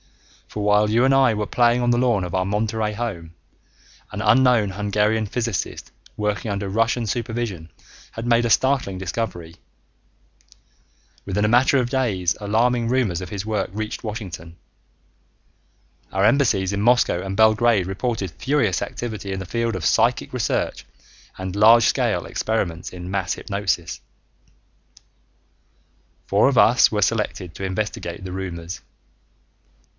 For while you and I were playing on the lawn of our Monterey home, an unknown Hungarian physicist working under Russian supervision had made a startling discovery. Within a matter of days alarming rumors of his work reached Washington. Our embassies in Moscow and Belgrade reported furious activity in the field of psychic research and large scale experiments in mass hypnosis. Four of us were selected to investigate the rumors.